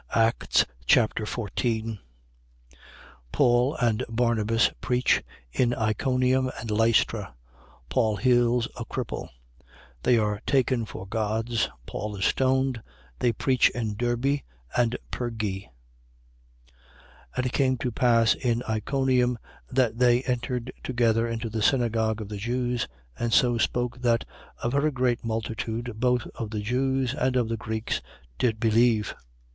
Acts Chapter 14 Paul and Barnabas preach in Iconium and Lystra. Paul heals a cripple. They are taken for gods. Paul is stoned. They preach in Derbe and Perge. 14:1. And it came to pass in Iconium that they entered together into the synagogue of the Jews and so spoke that a very great multitude both of the Jews and of the Greeks did believe.